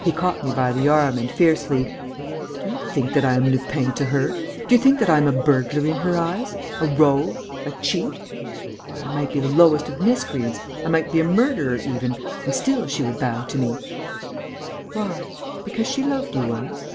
He caught me by the arm and, fiercely: "Do you think that I am Lupin to her? Do you think that I am a burglar in her eyes, a rogue, a cheat?... Why, I might be the lowest of miscreants, I might be a murderer even ... and still she would bow to me!" "Why? Because she loved you once?"